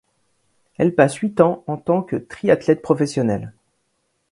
Elle passe huit ans en tant que triathlète professionnelle.